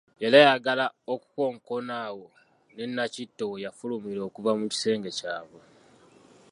Yali ayagala okukonkona awo ne Nakitto we yafulumira okuva mu kisenge kyabwe.